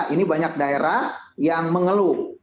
ini banyak daerah yang mengeluh